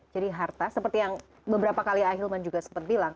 jadi harta seperti yang beberapa kali ahilman juga sempat bilang